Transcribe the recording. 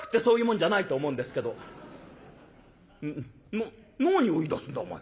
なっ何を言いだすんだお前」。